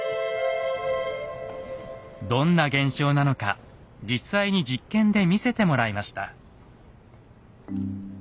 どんな現象なのか実際に実験で見せてもらいました。